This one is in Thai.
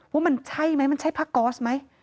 ว่ามันใช่ไหมมันใช่ผ้าก๊อสไหม